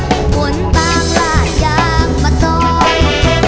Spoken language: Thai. หวนต่างหลายอย่างมัดซอย